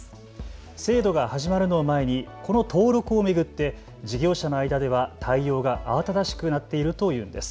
制度が始まるのを前にこの登録を巡って事業者の間では対応が慌ただしくなっているというんです。